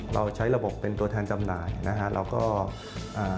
เราใช้ระบบเป็นตัวแทนจำหน่ายนะคะ